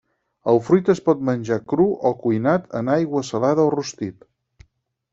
El fruit es pot menjar cru o cuinat en aigua salada o rostit.